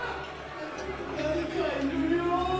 ななにかいるよ。